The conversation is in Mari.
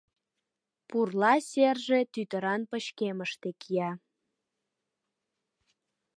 Пурла серже тӱтыран пычкемыште кия.